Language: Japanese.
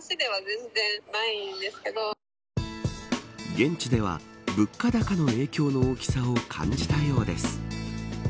現地では、物価高の影響の大きさを感じたようです。